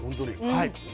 はい。